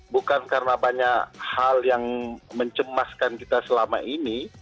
bukan karena banyak hal yang mencemaskan kita selama ini